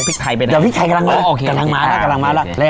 พริกไทยไปไหนแต่พริกไทยกำลังมาอ๋อโอเคกำลังมาแล้วกำลังมาแล้ว